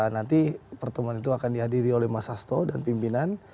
nanti pertemuan itu akan dihadiri oleh mas hasto dan pimpinan